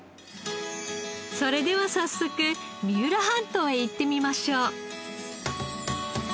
それでは早速三浦半島へ行ってみましょう。